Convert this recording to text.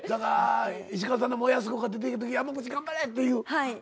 石川さんもやす子が出てきたとき山口頑張れっていう感じで？